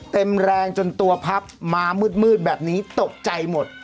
เต็มแรงจนตัวพับมามืดแบบนี้ตกใจหมด